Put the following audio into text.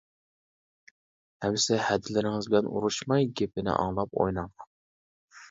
-ئەمىسە ھەدىلىرىڭىز بىلەن ئۇرۇشماي، گېپىنى ئاڭلاپ ئويناڭ!